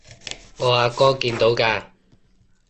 我阿哥見到㗎